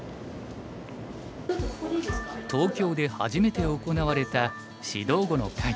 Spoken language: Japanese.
東京で初めて行われた指導碁の会。